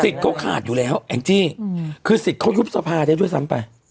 เขาขาดอยู่แล้วแองจี้คือสิทธิ์เขายุบสภาได้ด้วยซ้ำไป